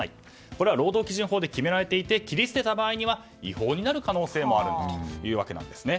これは労働基準法で決められていて切り捨てた場合には違法になる可能性もあるんです。